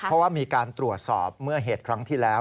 เพราะว่ามีการตรวจสอบเมื่อเหตุครั้งที่แล้ว